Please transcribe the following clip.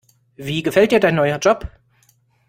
Wie gefällt dir dein neuer Job?